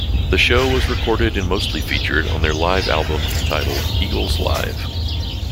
The show was recorded and mostly featured on their live album, entitled "Eagles Live".